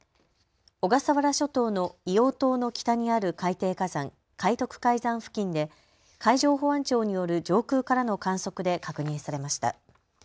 小笠原諸島の硫黄島の北にある海底火山、海徳海山付近で海上保安庁による上空からの観測で確認されました。